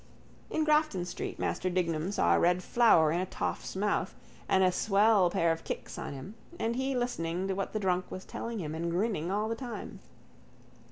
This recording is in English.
In Grafton street Master Dignam saw a red flower in a toff's mouth and a swell pair of kicks on him and he listening to what the drunk was telling him and grinning all the time.